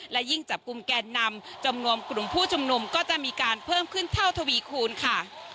และยิ่งจับกลุ่มแกนนำจำนวนกลุ่มผู้ชุมนุมก็จะมีการเพิ่มขึ้นเท่าทวีคูณค่ะ